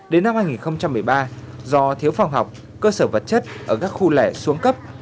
đến năm hai nghìn một mươi ba do thiếu phòng học cơ sở vật chất ở các khu lẻ xuống cấp